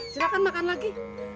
silahkan makan lagi